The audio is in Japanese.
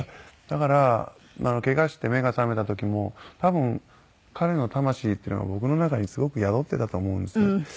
だからケガして目が覚めた時も多分彼の魂っていうのが僕の中にすごく宿ってたと思うんですね。